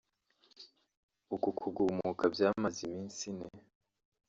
uku kugumuka byamaze iminsi ine